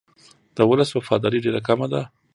د ولس وفاداري ډېره کمه ده.